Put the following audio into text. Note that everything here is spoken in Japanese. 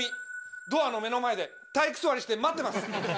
ドアの目の前で体育座りして待ってます。